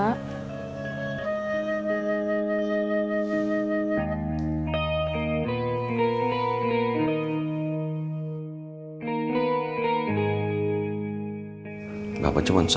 bapak tuh beneran nggak ada apa apa sama bu guryola